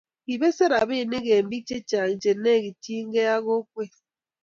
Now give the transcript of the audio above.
kibesen robinik eng' biik chechang' che lekitchi i gei ak kokwet.